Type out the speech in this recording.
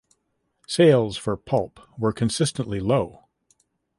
Sales for "Pulp" were consistently low.